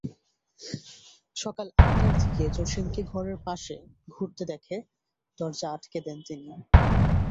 সকাল আটটার দিকে জসিমকে ঘরের পাশে ঘুরতে দেখে দরজা আটকে দেন তিনি।